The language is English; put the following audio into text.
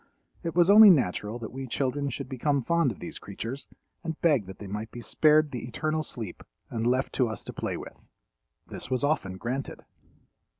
It was only natural that we children should become fond of these creatures and beg that they might be spared the eternal sleep and left to us to play with. This was often granted.